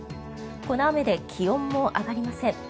この雨で気温も上がりません。